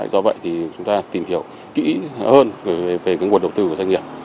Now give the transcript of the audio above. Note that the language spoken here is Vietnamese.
do vậy thì chúng ta tìm hiểu kỹ hơn về nguồn đầu tư của doanh nghiệp